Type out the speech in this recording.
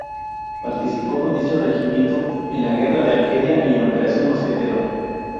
Participó con dicho regimiento en la guerra de Argelia y en la Operación Mosquetero.